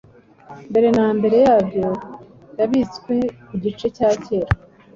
mbere na mbere yabyo yabitswe ku gice cya kera